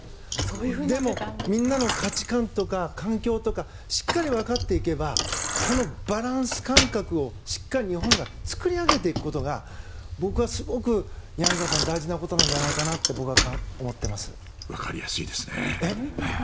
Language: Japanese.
でもみんなの価値観とか環境とかしっかりわかっていけばこのバランス感覚をしっかり日本が作り上げていくことが僕はすごく柳澤さん大事なことじゃないかとわかりやすいですね。